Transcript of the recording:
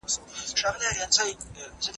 آیا شین رنګ تر تور رنګ روښانه دی؟